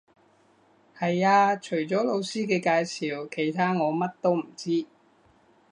係呀，除咗老師嘅介紹，其他我乜都唔知